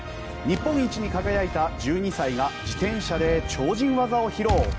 日本一に輝いた１２歳が自転車で超人技を披露！